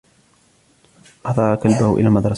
أحضر كلبه إلى المدرسة.